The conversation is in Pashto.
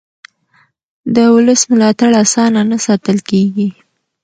د ولس ملاتړ اسانه نه ساتل کېږي